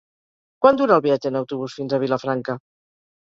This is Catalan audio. Quant dura el viatge en autobús fins a Vilafranca?